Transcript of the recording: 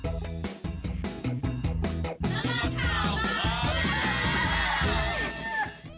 นัดข่าวบางทุกช่วง